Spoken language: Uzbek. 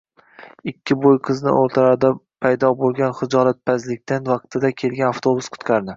Ikki bo`y qizni o`rtalarida paydo bo`lgan xijolatpazlikdan vaqtida kelgan avtobus qutqardi